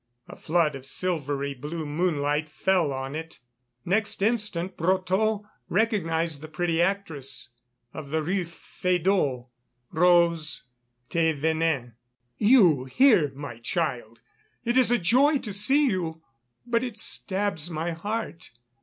A flood of silvery blue moonlight fell on it. Next instant Brotteaux recognized the pretty actress of the Rue Feydeau, Rose Thévenin. "You here, my child! It is a joy to see you, but it stabs my heart.